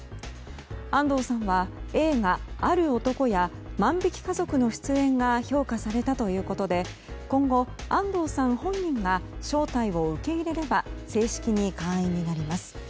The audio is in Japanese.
安藤さんは、映画「ある男」や「万引き家族」の出演が評価されたということで今後、安藤さん本人が招待を受け入れれば正式に会員になります。